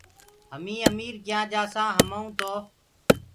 همينٚ اميٚر ڪِيآنٚ جآسآنٚ همآئونٚ تو